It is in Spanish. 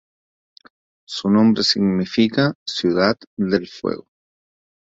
Su nombre significa "ciudad del fuego".